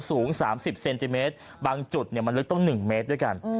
สูงสามสิบเซนติเมตรบางจุดเนี่ยมันลึกต้องหนึ่งเมตรด้วยกันอืม